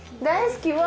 大好き？